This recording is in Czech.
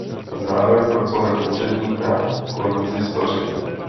Zároveň pracoval jako úředník na konzistoři.